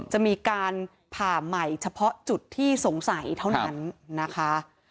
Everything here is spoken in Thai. จะมีการผ่าใหม่เฉพาะจุดที่สงสัยเท่านั้นนะคะ